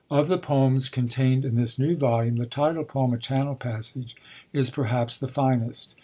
Of the poems contained in this new volume, the title poem, A Channel Passage, is perhaps the finest.